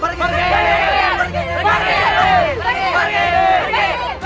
pergi pergi pergi